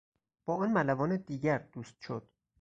با آن ملوان دیگر دوست شد.